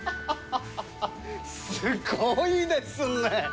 すごいですね。